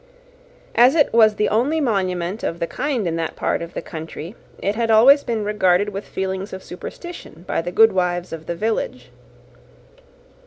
As it was the only monument of the kind in that part of the country, it had always been regarded with feelings of superstition by the goodwives of the village.